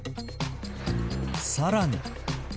さらに。